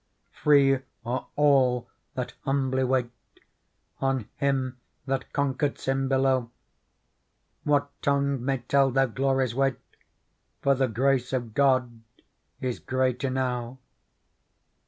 Free are all that humbly wait On Him that conquered sin below : What tongue may tell their glory's weight ? For the grace of God is great enow.